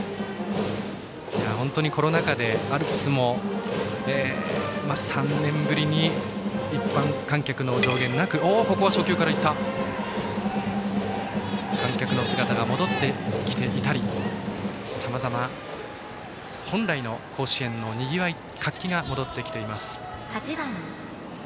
本当にコロナ禍でアルプスも３年ぶりに一般観客の上限なく観客の姿が戻ってきていたり本来の甲子園のにぎわい、活気が戻ってきています。